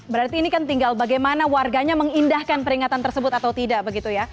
berarti ini kan tinggal bagaimana warganya mengindahkan peringatan tersebut atau tidak begitu ya